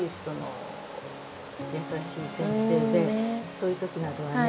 そういう時などはね